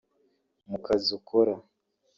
mu kazi ukora